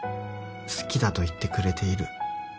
「好きだと言ってくれている」